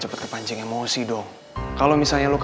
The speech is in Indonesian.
kok gue jadi kepikiran terus ya sama omongannya melly